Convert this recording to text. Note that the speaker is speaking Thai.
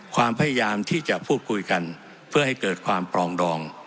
ความพยายามที่จะพูดคุยกันเพื่อให้เกิดความปลองดอง